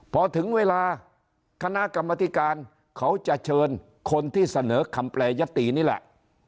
พอถึงเวลาคณะกรรมธิการเขาจะเชิญคนที่เสนอคำแปรยตินี่แหละ